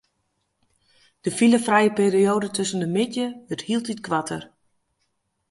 De filefrije perioade tusken de middei wurdt hieltyd koarter.